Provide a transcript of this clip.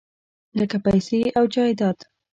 لکه پیسې او جایداد .